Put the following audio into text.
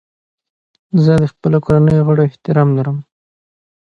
زه د خپلو کورنیو د غړو احترام لرم.